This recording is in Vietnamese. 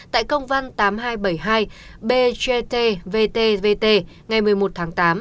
tại công văn tám nghìn hai trăm bảy mươi hai bgtvtvt ngày một mươi một tháng tám